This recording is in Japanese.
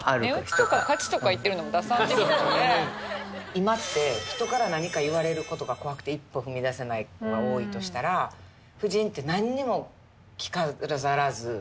今って人から何か言われることが怖くて一歩踏み出せない子が多いとしたら自分の。